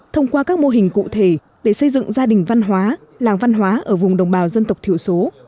thông qua các mô hình cụ thể để xây dựng gia đình văn hóa làng văn hóa ở vùng đồng bào dân tộc thiểu số